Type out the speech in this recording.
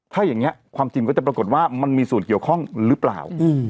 ถ้าอย่างนี้ความจริงก็จะปรากฏว่ามันมีส่วนเกี่ยวข้องหรือเปล่า